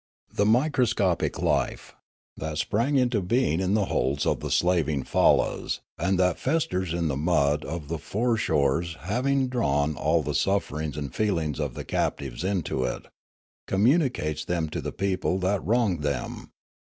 The microscopic life, that sprang into being in the holds of the slaving fallas, and that festers in the mud of the fore shores, hav ing drawn all the sufferings and feelings of the captives into it, communicates them to the people that wronged them.